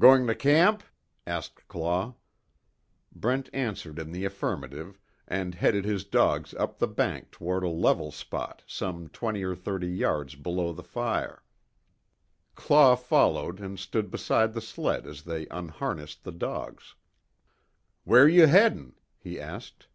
"Goin' to camp?" asked Claw. Brent answered in the affirmative, and headed his dogs up the bank toward a level spot some twenty or thirty yards below the fire. Claw followed and stood beside the sled as they unharnessed the dogs: "Where you headin'?" he asked.